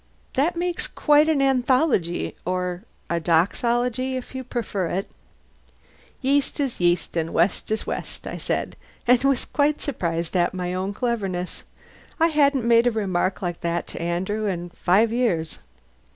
That makes quite an anthology, or a doxology, if you prefer it." "Yeast is yeast, and West is West," I said, and was quite surprised at my own cleverness. I hadn't made a remark like that to Andrew in five years.